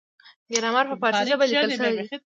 ګرامر په پارسي ژبه لیکل شوی دی.